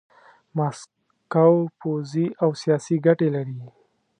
ماسکو پوځي او سیاسي ګټې لري.